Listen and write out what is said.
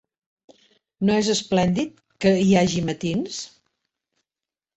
No és esplèndid, que hi hagi matins?